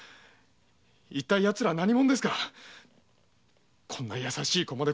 一体ヤツらは何者ですかこんな優しい子まで殺そうなんて。